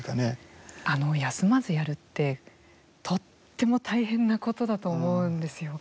休まずやるってとっても大変なことだと思うんですよ。